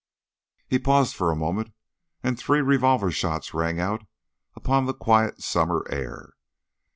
He paused for a moment, and three revolver shots rang out upon the quiet summer air.